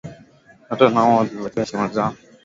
hata nao wazikabithi heshima zao.